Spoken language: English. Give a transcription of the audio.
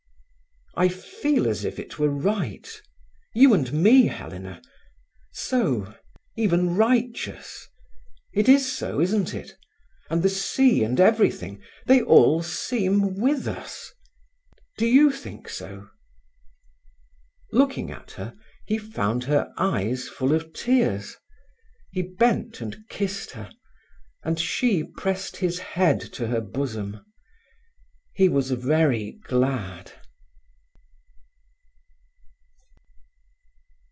"I feel as if it were right—you and me, Helena—so, even righteous. It is so, isn't it? And the sea and everything, they all seem with us. Do you think so?" Looking at her, he found her eyes full of tears. He bent and kissed her, and she pressed his head to her bosom. He was very glad.